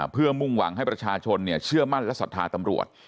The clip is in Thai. เพื่อมุ่งหวังให้ประชาชนเชื่อมั่นและศรัทธาตำรวจ